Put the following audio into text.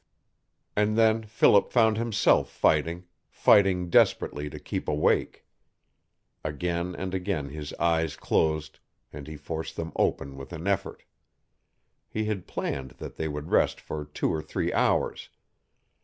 And then Philip found himself fighting fighting desperately to keep awake. Again and again his eyes closed, and he forced them open with an effort. He had planned that they would rest for two or three hours.